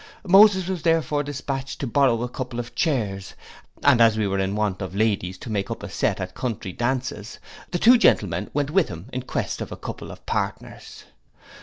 Moses was therefore dispatched to borrow a couple of chairs; and as we were in want of ladies to make up a set at country dances, the two gentlemen went with him in quest of a couple of partners.